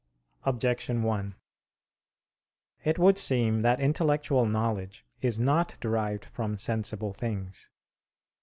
Objection 1: It would seem that intellectual knowledge is not derived from sensible things.